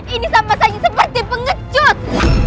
ini sama saja seperti pengecut